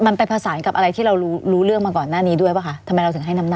มันเป็นผสานกับอะไรที่เรารู้เรื่องมาก่อนหน้านี้ด้วยป่ะคะ